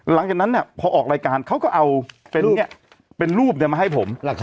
หลังจากนั้นเนี่ยพอออกรายการเขาก็เอาเป็นรูปเนี่ยมาให้ผม